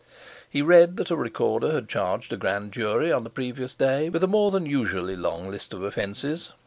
He read that a Recorder had charged a grand jury on the previous day with a more than usually long list of offences.